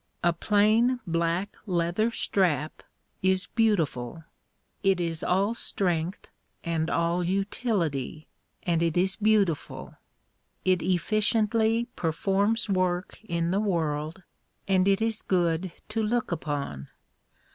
A plain black leather strap is beautiful. It is all strength and all utility, and it is beautiful. It efficiently performs work in the world, and it is good to look upon.